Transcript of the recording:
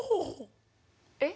えっ？